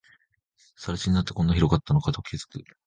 更地になって、こんなに広かったのかと気づく